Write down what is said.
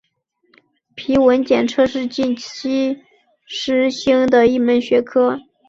皮纹检测是近期时兴的一门学科。